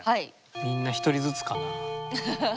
みんな１人ずつかな。